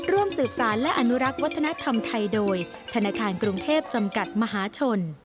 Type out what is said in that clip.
ร่วมสืบสารและอนุรักษ์วัฒนธรรมไทยโดยธนาคารกรุงเทพจำกัดมหาชน